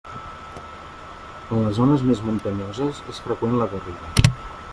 En les zones més muntanyoses és freqüent la garriga.